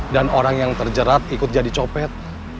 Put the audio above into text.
dan orang yang terjerat ikut jadi copet